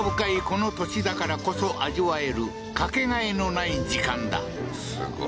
この土地だからこそ味わえる、かけがえのない時間だ。